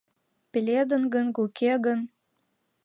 Пеледын гын, уке гын?